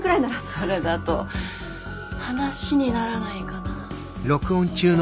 それだと話にならないかな。